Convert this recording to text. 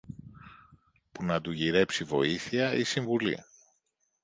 που να του γυρέψει βοήθεια ή συμβουλή.